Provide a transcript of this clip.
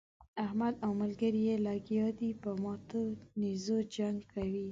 احمد او ملګري يې لګيا دي په ماتو نېزو جنګ کوي.